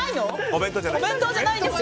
お弁当じゃないんです。